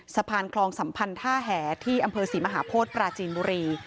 สะพานคลองสัมพันธ์ท่าแห่ที่อำเภอศรีมหาโพธิปราจีนบุรี